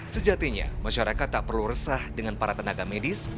sejatinya masyarakat tak perlu resah dengan para tenaga medis